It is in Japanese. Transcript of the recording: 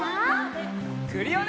クリオネ！